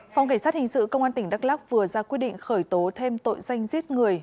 phòng cảnh sát hình sự công an tỉnh đắk lắc vừa ra quyết định khởi tố thêm tội danh giết người